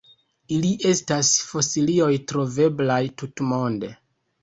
Ili estas fosilioj troveblaj tutmonde.